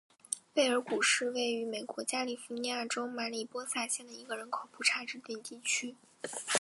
贝尔谷是位于美国加利福尼亚州马里波萨县的一个人口普查指定地区。